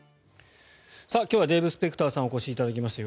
今日はデーブ・スペクターさんにお越しいただきました。